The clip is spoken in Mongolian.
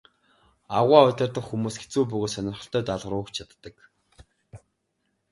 Аугаа удирдах хүмүүс хэцүү бөгөөд сонирхолтой даалгавар өгч чаддаг.